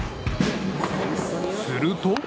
すると。